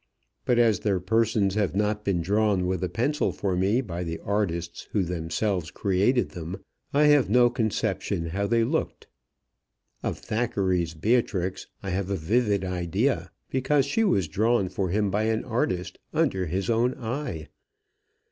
But as their persons have not been drawn with the pencil for me by the artists who themselves created them, I have no conception how they looked. Of Thackeray's Beatrix I have a vivid idea, because she was drawn for him by an artist under his own eye.